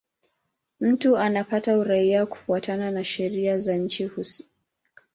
Mtu anapata uraia kufuatana na sheria za nchi husika.